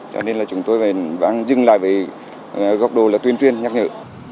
cho nên là chúng tôi phải dừng lại với góc độ là tuyên tuyên nhắc nhở